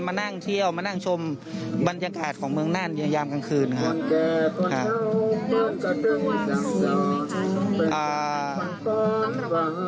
มานั่งเที่ยวมานั่งชมบรรยากาศของเมืองน่านในยามกลางคืนครับ